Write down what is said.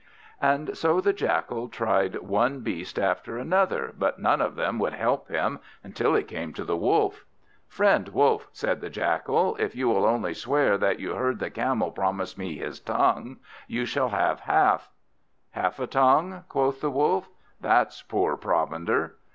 And so the Jackal tried one beast after another, but none of them would help him, until he came to the Wolf. "Friend Wolf," said the Jackal, "if you will only swear that you heard the Camel promise me his tongue, you shall have half." "Half a tongue?" quoth the Wolf; "that's poor provender."